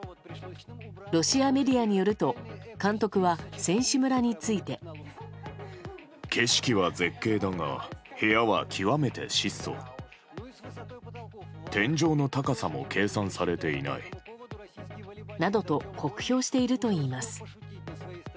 ロシアメディアによると監督は選手村について。などと酷評しているといいます。